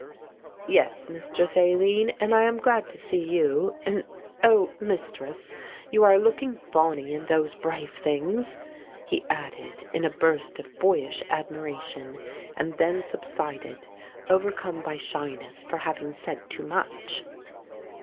"Yes, Mistress Aline, and I am glad to see you, and, oh, Mistress, you are looking bonnie in those brave things," he added in a burst of boyish admiration, and then subsided overcome by shyness for having said too much.